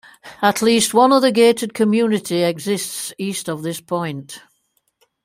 At least one other gated community exists east of this point.